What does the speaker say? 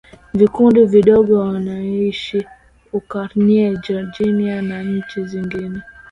Vikundi vidogo vinaishi Ukraine Georgia na nchi zingine